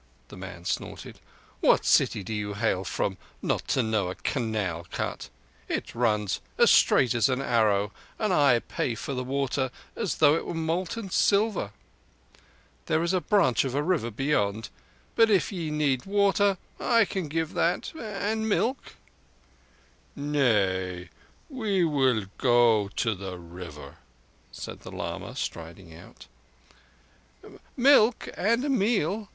the man snorted. "What city do ye hail from not to know a canal cut? It runs as straight as an arrow, and I pay for the water as though it were molten silver. There is a branch of a river beyond. But if ye need water I can give that—and milk." "Nay, we will go to the river," said the lama, striding out. "Milk and a meal."